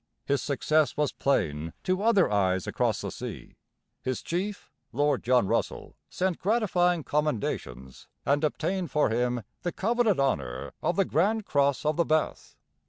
His success was plain to other eyes across the sea. His chief, Lord John Russell, sent gratifying commendations and obtained for him the coveted honour of the Grand Cross of the Bath.